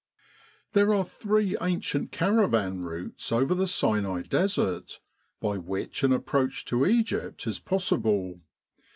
in Egypt There are three ancient caravan routes over the Sinai Desert, by which an approach to Egypt is possible.